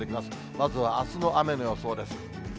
まずはあすの雨の予想です。